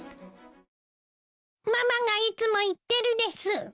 ママがいつも言ってるです。